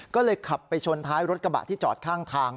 ก็เลยขับไปชนท้ายรถกระบะที่จอดข้างทาง